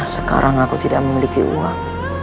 sekarang aku tidak memiliki uang